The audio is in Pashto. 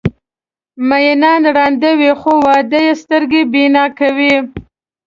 مینان ړانده وي خو واده یې سترګې بینا کوي.